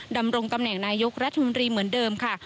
ดำรงตำแหน่งนายกรัฐมนตรีเหมือนเดิมค่ะ